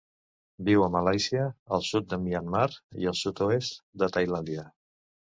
Viu a Malàisia, el sud de Myanmar i el sud-oest de Tailàndia.